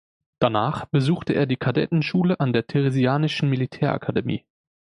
Danach besuchte er die Kadettenschule an der theresianischen Militärakademie.